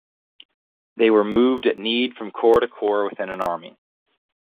They were moved at need from corps to corps within an army.